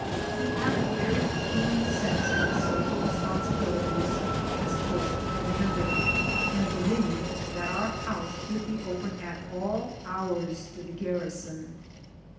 He had a very keen sense of his social responsibilities as post commander, and believed that our house should be open at all hours to the garri son.